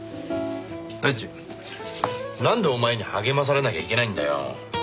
第一なんでお前に励まされなきゃいけないんだよ。